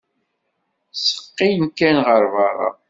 Ttseqqin kan ɣer berra.